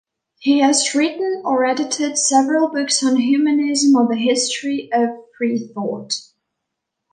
He has written or edited several books on humanism or the history of freethought.